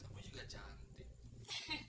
kamu juga cantik